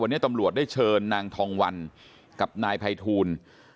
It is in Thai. วันนี้ตำรวจได้เชิญนางทองวันกับนายภัยทูล